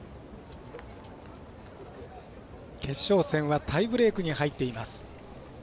決勝戦はタイブレークに入っています。